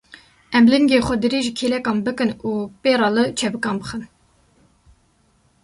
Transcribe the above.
Em lingên xwe dirêjî kêlekan bikin û pê re li çepikan bixin.